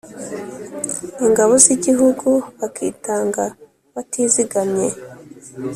ingabo z'igihugu bakitanga batizigamye